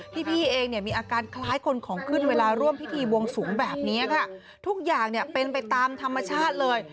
พี่เองเนี่ยมีอาการคล้ายคนของขึ้นเวลาร่วมพิธีบวงสูงแบบนี้ค่ะทุกอย่างเนี่ยเป็นไปตามธรรมชาติเลย